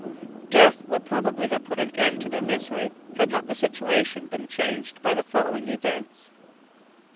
Death would probably have put an end to their misery had not the situation been changed by the following events.